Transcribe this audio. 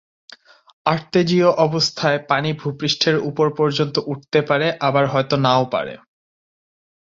আর্তেজীয় অবস্থায় পানি ভূ-পৃষ্ঠের উপর পর্যন্ত উঠতে পারে, আবার হয়ত নাও পারে।